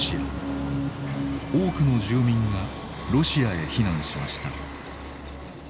多くの住民がロシアへ避難しました。